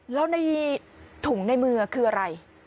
แล้วในถุงในมือคืออะไร